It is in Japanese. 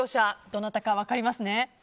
どなたか分かりますね？